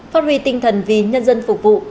phát huy tinh thần vì nhân dân phục vụ